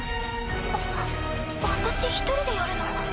あっ私一人でやるの？